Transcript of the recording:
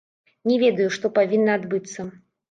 Не ведаю, што павінна адбыцца.